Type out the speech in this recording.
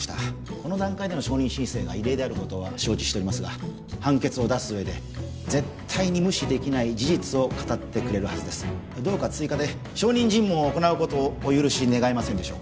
この段階での証人申請は異例ですが判決を出す上で絶対に無視できない事実を語ってくれるはずですどうか追加で証人尋問を行うことをお許し願えませんか？